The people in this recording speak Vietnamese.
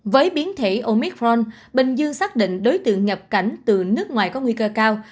với biến thể omicron bình dương xác định đối tượng nhập cảnh từ nước ngoài có nguy cơ cao